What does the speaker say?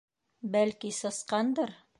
Бәлки, сысҡандыр?..